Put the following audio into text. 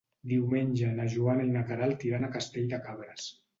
Diumenge na Joana i na Queralt iran a Castell de Cabres.